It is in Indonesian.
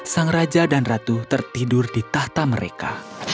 sang raja dan ratu tertidur di tahta mereka